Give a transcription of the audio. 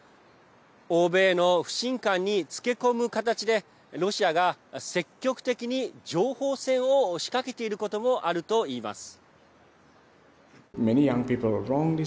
欧米の不信感につけ込む形でロシアが積極的に情報戦を仕掛けていることもあるといいます。